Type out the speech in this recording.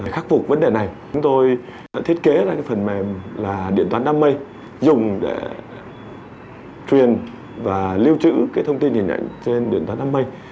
khắc phục vấn đề này